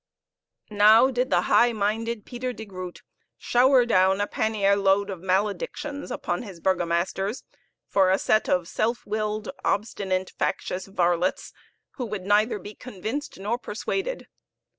Now did the high minded Peter de Groodt shower down a pannier load of maledictions upon his burgomaster for a set of self willed, obstinate, factious varlets, who would neither be convinced nor persuaded.